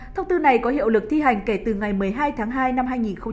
thông tư này có hiệu lực thi hành kể từ ngày một mươi hai tháng hai năm hai nghìn hai mươi